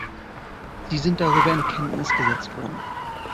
Sie sind darüber in Kenntnis gesetzt worden.